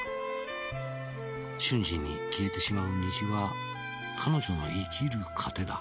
「瞬時に消えてしまう虹は彼女の生きる糧だ」